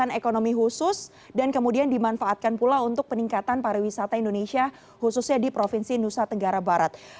pertumbuhan ekonomi khusus dan kemudian dimanfaatkan pula untuk peningkatan pariwisata indonesia khususnya di provinsi nusa tenggara barat